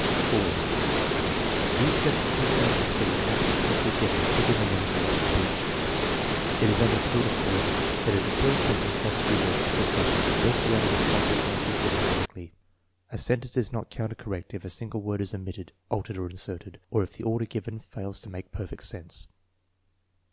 Scoring. Two sentences out of three must be correctly given within the minute allotted to each. It is understood, of course, that if the first sentence has to be read for the subject, both the other responses must be given correctly. A sentence is not counted correct if a single word is omitted, altered, or inserted, or if the order given fails to make perfect sense.